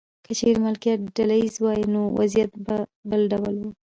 که چیرې مالکیت ډله ایز وای نو وضعیت به بل ډول و.